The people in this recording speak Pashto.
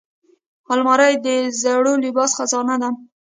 الماري د زوړ لباس خزانه ده